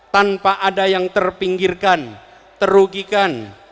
tanpa ada yang terpinggirkan terugikan